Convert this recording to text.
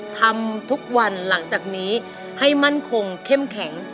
ทำทุกวันหลังจากนี้ให้มั่นคงเข้มแข็ง